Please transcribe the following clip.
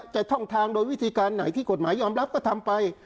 ท่องทางโดยวิธีการไหนที่กฎหมายยอมรับก็ทำไป